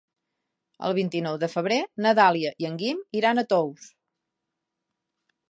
El vint-i-nou de febrer na Dàlia i en Guim iran a Tous.